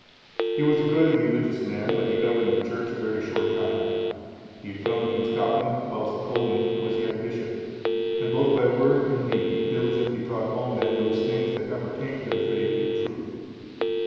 (479) He was a good and religious man, but he governed the church a very short time; he had come from Scotland(480) whilst Colman was yet bishop, and, both by word and deed, diligently taught all men those things that appertain to the faith and truth.